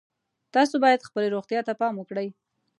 تاسو باید خپلې روغتیا ته پام وکړئ